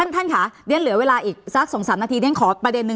ท่านค่ะเรียนเหลือเวลาอีกสัก๒๓นาทีเรียนขอประเด็นนึง